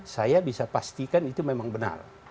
saya bisa pastikan itu memang benar